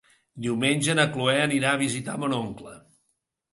Diumenge na Cloè anirà a visitar mon oncle.